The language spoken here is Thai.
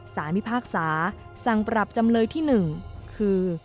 พิพากษาสั่งปรับจำเลยที่๑คือ